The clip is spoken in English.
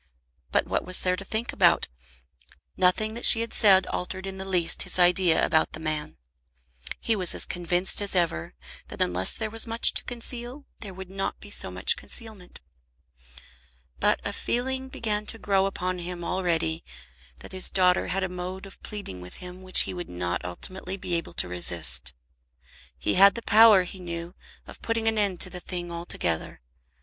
But what was there to think about? Nothing that she had said altered in the least his idea about the man. He was as convinced as ever that unless there was much to conceal there would not be so much concealment. But a feeling began to grow upon him already that his daughter had a mode of pleading with him which he would not ultimately be able to resist. He had the power, he knew, of putting an end to the thing altogether.